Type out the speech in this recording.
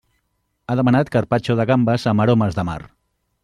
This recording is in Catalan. Ha demanat carpaccio de gambes amb aromes de mar.